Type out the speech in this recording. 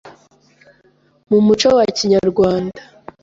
mu muco wa Kinyarwanda.